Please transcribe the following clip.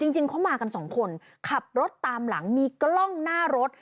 จริงเขามากันสองคนขับรถตามหลังมีกล้องหน้ารถ